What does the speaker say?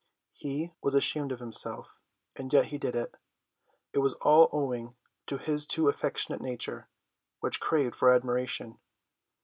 He was ashamed of himself, and yet he did it. It was all owing to his too affectionate nature, which craved for admiration.